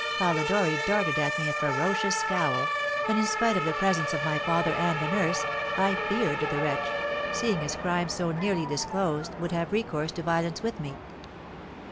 Polidori darted at me a ferocious scowl, and, in spite of the presence of my father and the nurse, I feared the wretch, seeing his crime so nearly disclosed, would have recourse to violence with me.